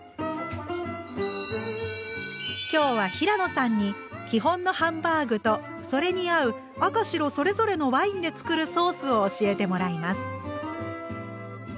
今日は平野さんに基本のハンバーグとそれに合う赤白それぞれのワインで作るソースを教えてもらいます。